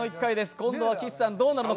今度は岸さんどうなるのか。